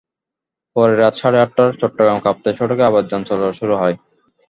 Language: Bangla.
পরে রাত সাড়ে আটটায় চট্টগ্রাম কাপ্তাই সড়কে আবার যান চলাচল শুরু হয়।